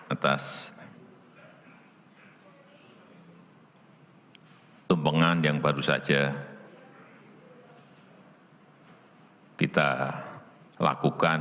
atas tumpengan yang baru saja kita lakukan